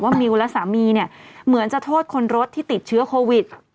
มิวและสามีเนี่ยเหมือนจะโทษคนรถที่ติดเชื้อโควิด